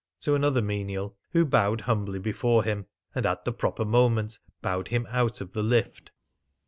to another menial, who bowed humbly before him, and at the proper moment bowed him out of the lift.